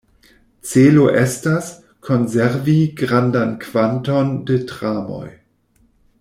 Celo estas, konservi grandan kvanton de tramoj.